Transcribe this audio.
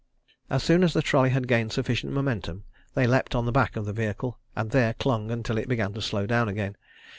As soon as the trolley had gained sufficient momentum, they leapt on to the back of the vehicle, and there clung until it began to slow down again.